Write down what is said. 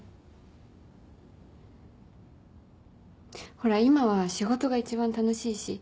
ほら今は仕事が一番楽しいし。